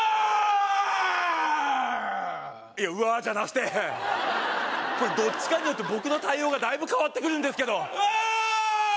いや「うわー」じゃなくてこれどっちかによって僕の対応がだいぶ変わってくるんですけどうわーっ！